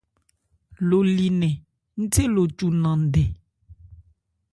Lo li nnɛn ńthé lo cu nan ndɛ.